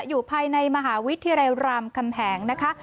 อยู่ภายในมหาวิทยาลัยรามคำแหงนะคะ